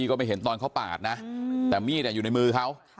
ก็ไม่เห็นตอนเขาปาดนะแต่มีดอยู่ในมือเขา